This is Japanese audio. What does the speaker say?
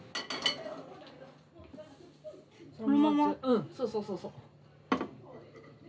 うんそうそうそうそう。